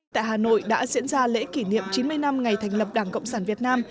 tại hà nội đã diễn ra lễ kỷ niệm chín mươi năm ngày thành lập đảng cộng sản việt nam